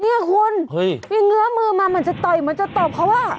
เนี่ยคุณที่เงื้อมือมาเหมือนจะต่อยเหมือนจะตบเขาอ่ะ